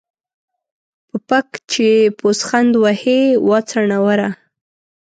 په پک چې پوسخند وهې ، وا څوڼوره.